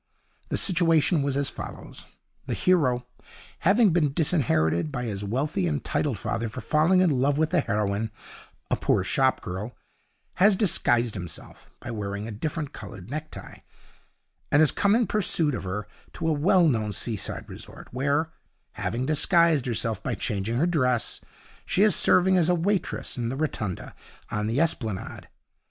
The situation was as follows: The hero, having been disinherited by his wealthy and titled father for falling in love with the heroine, a poor shop girl, has disguised himself (by wearing a different coloured necktie) and has come in pursuit of her to a well known seaside resort, where, having disguised herself by changing her dress, she is serving as a waitress in the Rotunda, on the Esplanade.